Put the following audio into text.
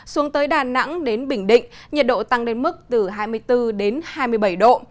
xuống tới đà nẵng đến bình định nhiệt độ tăng lên mức từ hai mươi bốn đến hai mươi bảy độ